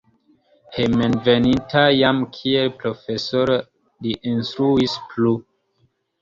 Hejmenveninta jam kiel profesoro li instruis plu.